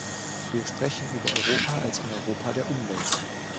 Wir sprechen über Europa als ein Europa der Umwelt.